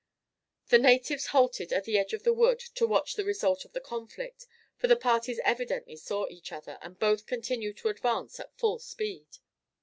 The natives halted at the edge of the wood to watch the result of the conflict, for the parties evidently saw each other, and both continued to advance at full speed.